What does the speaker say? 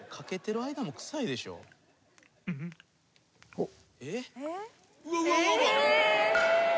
「おっ」